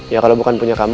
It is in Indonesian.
ya kalau bukan punya kamu